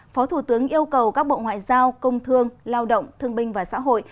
phó thủ tướng yêu cầu các bộ ngoại giao công thương lao động thương binh và xã hội